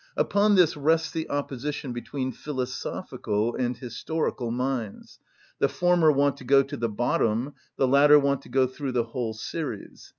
Upon this rests the opposition between philosophical and historical minds; the former want to go to the bottom, the latter want to go through the whole series.